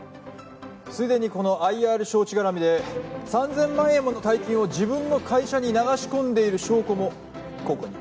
ついでにこのＩＲ招致がらみで３，０００万円もの大金を自分の会社に流し込んでいる証拠もここに。